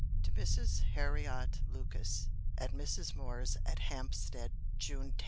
TO MRS. HARRIOT LUCAS, AT MRS. MOORE'S, AT HAMPSTEAD. JUNE 10.